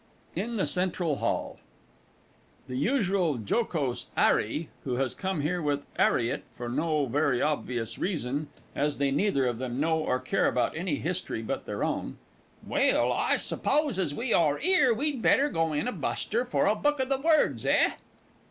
IN THE CENTRAL HALL. The usual Jocose 'ARRY (who has come here with 'ARRIET, for no very obvious reason, as they neither of them know or care about any history but their own). Well, I s'pose as we are 'ere, we'd better go in a buster for a book o' the words, eh?